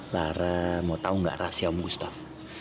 lara mau tahu gak rahasia om gustaf